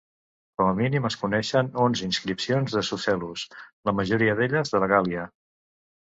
Com a mínim es coneixen onze inscripcions de Sucellus, la majoria d'elles, de la Gàl·lia.